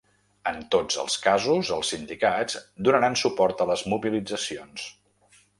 En tots els casos els sindicats donaran suport a les mobilitzacions.